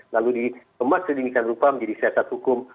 lalu dikemas sedemikian rupa menjadi siasat hukum